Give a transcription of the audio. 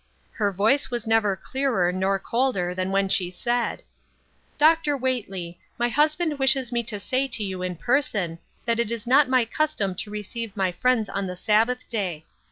Her voice was never clearer nor colder than when she said :—" Dr. Whately, my husband wishes me to say to you in person that it is not my custom to receive my friends on the Sabbath day.